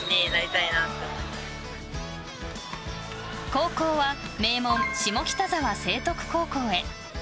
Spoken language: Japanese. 高校は名門・下北沢成徳高校へ。